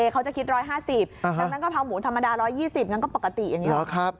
เขาจะคิด๑๕๐ดังนั้นกะเพราหมูธรรมดา๑๒๐งั้นก็ปกติอย่างนี้